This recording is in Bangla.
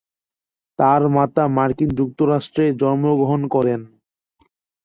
তার মাতা মার্কিন যুক্তরাষ্ট্রে জন্মগ্রহণ করেন।